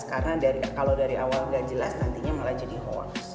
karena kalau dari awal gak jelas nantinya malah jadi hoax